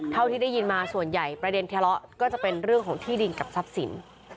ที่ได้ยินมาส่วนใหญ่ประเด็นทะเลาะก็จะเป็นเรื่องของที่ดินกับทรัพย์สิน